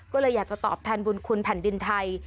ก็เลยอยากจะตอบแทนบุญคุณแผ่นดินไทย